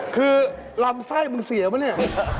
คือรำไส้มึงเสียไหมนี่